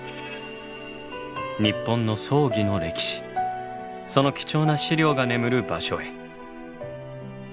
日本の葬儀の歴史その貴重な資料が眠る場所へ。